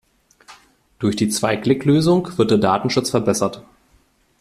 Durch die Zwei-Klick-Lösung wird der Datenschutz verbessert.